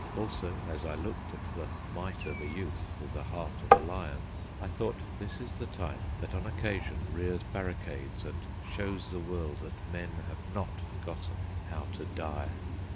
Also, as I looked at the mite of a youth with the heart of a lion, I thought, this is the type that on occasion rears barricades and shows the world that men have not forgotten how to die.